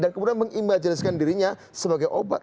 dan kemudian mengimajinasi dirinya sebagai obat